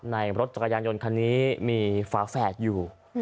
รถจักรยานยนต์คันนี้มีฝาแฝดอยู่